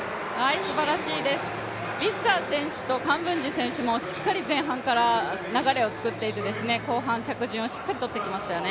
すばらしいです、ビッサー選手とカンブンジ選手もしっかり前半から流れを作っていて後半着順をしっかり取ってきましたよね。